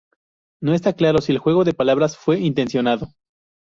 No está claro si el juego de palabras fue intencionado.